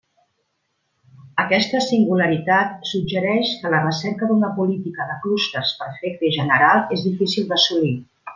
Aquesta singularitat suggereix que la recerca d'una política de clústers perfecta i general és difícil d'assolir.